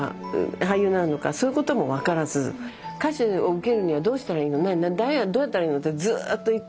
俳優になるのかそういうことも分からず「歌手を受けるにはどうしたらいいの？